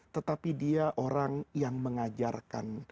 tetapi dia orang yang mengajarkan